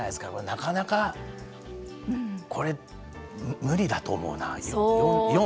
なかなか、これ、無理だと思うな。